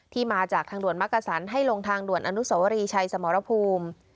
มาจากทางด่วนมักกษันให้ลงทางด่วนอนุสวรีชัยสมรภูมิ